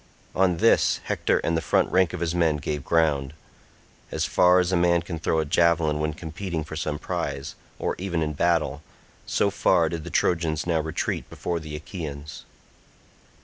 On this Hector and the front rank of his men gave ground. As far as a man can throw a javelin when competing for some prize, or even in battle—so far did the Trojans now retreat before the Achaeans.